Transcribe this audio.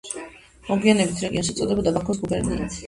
მოგვიანებით რეგიონს ეწოდებოდა ბაქოს გუბერნია.